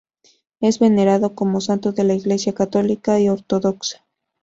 Es venerado como santo por la Iglesia católica y ortodoxa.